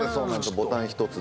ボタン１つで。